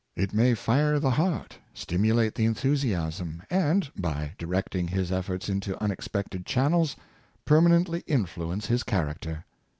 It may fire the heart, stimulate the enthusiasm, and, by directing his efforts into unexpected channels, perma nently influence his character.